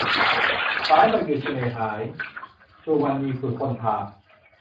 สายบ่หยุดเสน่ห์หาย - สุวรรณี สุคนธา